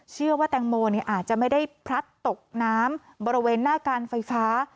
เชื่อว่าแตงโมอาจจะไม่ได้พลัดตกน้ำบริเวณหน้าการไฟฟ้า